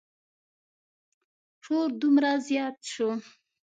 شور دومره زیات شو.